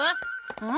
うん？